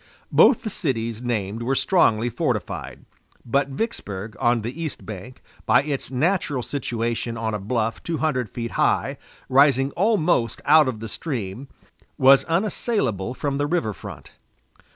Both the cities named were strongly fortified, but Vicksburg, on the east bank, by its natural situation on a bluff two hundred feet high, rising almost out of the stream, was unassailable from the river front.